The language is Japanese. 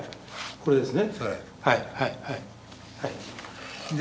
これですね。